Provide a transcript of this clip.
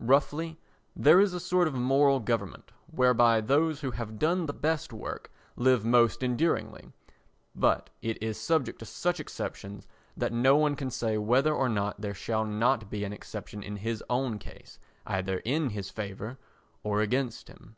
Roughly, there is a sort of moral government whereby those who have done the best work live most enduringly, but it is subject to such exceptions that no one can say whether or no there shall not be an exception in his own case either in his favour or against him.